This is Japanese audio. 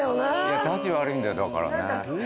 たち悪いんだよだからね。